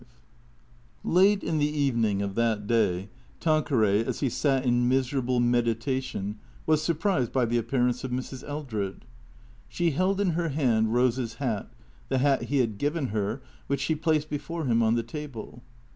V LATE in the evening of that day, Tanqiieray, as he sat in miserable meditation, was surprised by the appear ance of Mrs. Eldred. She held in her hand Rose's hat, the hat he had given her, which she placed before him on the table.